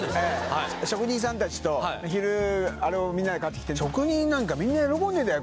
はい職人さん達と昼あれをみんなで買ってきて職人なんかみんな喜んでたよ